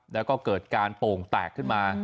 แล้วก็เกิดการโป่งแตกขึ้นมา